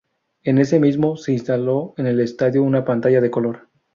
En ese mismo se instaló en el estadio una pantalla de color.